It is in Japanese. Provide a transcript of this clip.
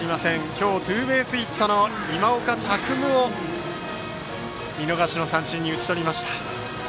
今日、ツーベースヒットの今岡拓夢を見逃し三振に打ち取りました。